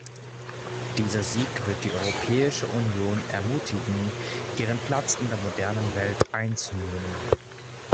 Dieser Sieg wird die Europäische Union ermutigen, ihren Platz in der modernen Welt einzunehmen.